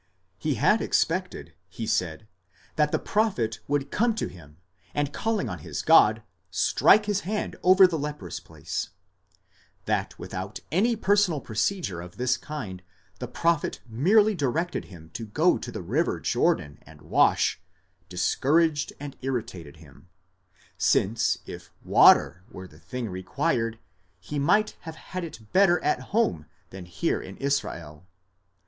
He had expected, he said, that the prophet would come to him, and calling on his God, strike his hand over the leprous place; that without any personal procedure of this kind, the prophet merely directed him to go to the river Jordan and wash, discouraged and irritated him, since if water were the thing required, he might have had it better at home than here in Israel.